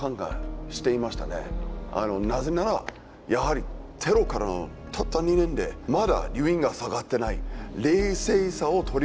なぜならやはりテロからたった２年でまだ留飲が下がってない冷静さを取り戻してない。